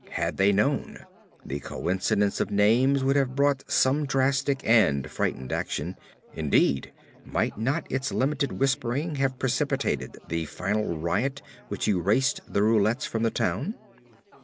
Had they known, the coincidence of names would have brought some drastic and frightened action indeed, might not its limited whispering have precipitated the final riot which erased the Roulets from the town?